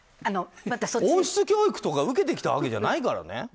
王室教育とか受けてきたわけじゃないからね。